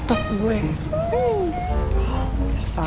gila banget deh